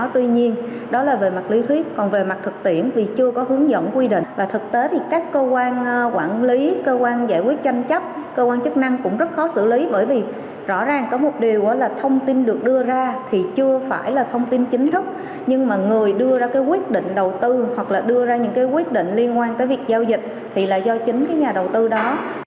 tuy nhiên đó là về mặt lý thuyết còn về mặt thực tiễn vì chưa có hướng dẫn quy định và thực tế thì các cơ quan quản lý cơ quan giải quyết tranh chấp cơ quan chức năng cũng rất khó xử lý bởi vì rõ ràng có một điều là thông tin được đưa ra thì chưa phải là thông tin chính thức nhưng mà người đưa ra cái quyết định đầu tư hoặc là đưa ra những cái quyết định liên quan tới việc giao dịch thì là do chính cái nhà đầu tư đó